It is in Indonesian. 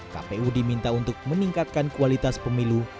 kpu diminta untuk meningkatkan kualitas pemilu dua ribu dua puluh empat